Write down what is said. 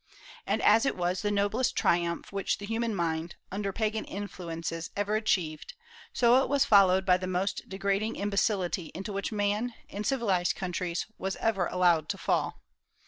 And as it was the noblest triumph which the human mind, under Pagan influences, ever achieved, so it was followed by the most degrading imbecility into which man, in civilized countries, was ever allowed to fall.